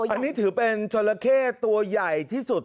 อันนี้ถือเป็นจราเข้ตัวใหญ่ที่สุด